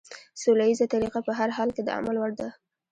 سوله ييزه طريقه په هر حال کې د عمل وړ ده.